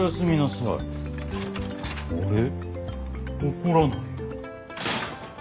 怒らない。